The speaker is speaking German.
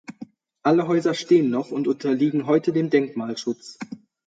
Alle Häuser stehen noch und unterliegen heute dem Denkmalschutz.